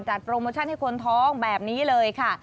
โปรโมชั่นให้คนท้องแบบนี้เลยค่ะ